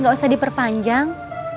gak usah diperpandang